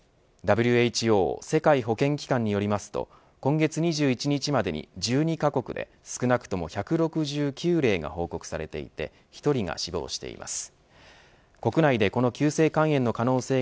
ＷＨＯ世界保健機関によりますと今月２１日までに１２カ国で少なくとも１６９例が報告されていて１人が死亡しています。